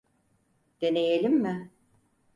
Deneyelim mi?